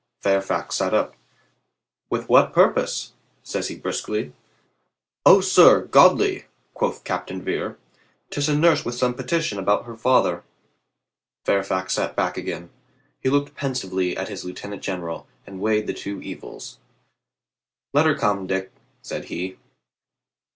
Fairfax sat up. "With what purpose?" says he briskly. "O, sir, godly," quoth Captain Vere. " 'Tis a nurse with some petition about her father." Fairfax sat back again. He looked pensively at his lieutenant general and weighed the two evils. "Let her come, Dick," said he.